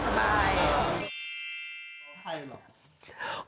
ใครหรอ